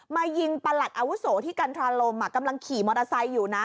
มายิงประหลักอาวุศวที่กันทรารมน์ก็ไม่กำลังขี่มอเตอร์ไซส์อยู่น่ะ